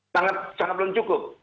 sangat belum cukup